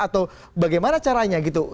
atau bagaimana caranya gitu